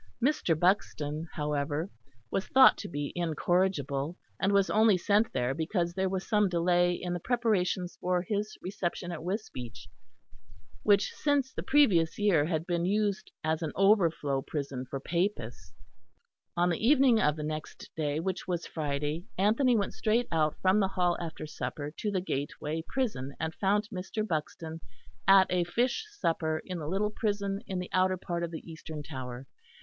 Mr. Buxton, however, was thought to be incorrigible, and was only sent there because there was some delay in the preparations for his reception at Wisbeach, which since the previous year had been used as an overflow prison for Papists. On the evening of the next day, which was Friday, Anthony went straight out from the Hall after supper to the gateway prison, and found Mr. Buxton at a fish supper in the little prison in the outer part of the eastern tower.